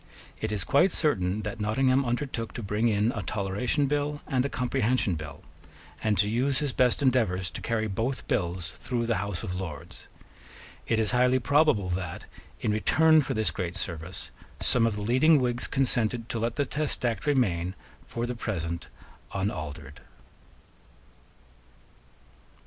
It is quite certain that Nottingham undertook to bring in a Toleration Bill and a Comprehension Bill, and to use his best endeavours to carry both bills through the House of Lords. It is highly probable that, in return for this great service, some of the leading Whigs consented to let the Test Act remain for the present unaltered.